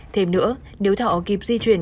thêm nữa nếu thọ kịp di chuyển